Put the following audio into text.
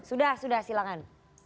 sudah sudah silakan